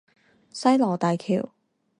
西螺大橋